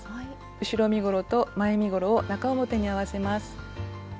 後ろ身ごろと前身ごろを中表に合わせます。